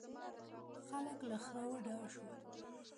خلک له خره وډار شول.